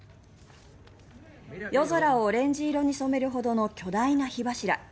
夜空をオレンジ色に染めるほどの巨大な火柱。